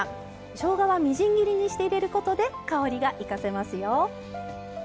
しょうがはみじん切りにして入れることで香りが生かせますよ。